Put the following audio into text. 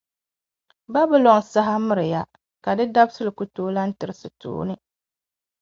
Babilɔn saha miriya, ka di dabisili ku lan tirisi tooni.